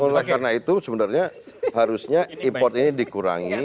oleh karena itu sebenarnya harusnya import ini dikurangi